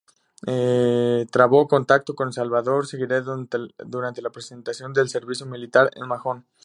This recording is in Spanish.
Trabó contacto con Salvador Seguí durante la prestación del servicio militar en Mahón.